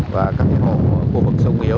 và các hộ khu vực sông nghĩa